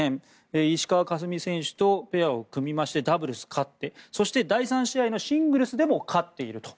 石川佳純選手とペアを組みましてダブルス、勝ってそして、第３試合のシングルスでも勝っていると。